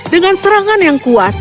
dengan serangan yang kuat